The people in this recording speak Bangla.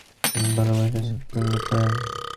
সুনেত্রা ভালোবাসে শান্তিপুরে সাদা শাড়ি কালো পাড়ওয়ালা।